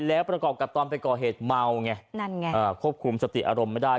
แล้วประกอบกับตอนไปก่อเหตุเมาไงนั่นไงควบคุมสติอารมณ์ไม่ได้